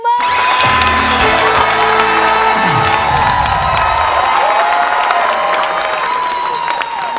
รับแล้วค่ะ๑๐๐๐๐บาท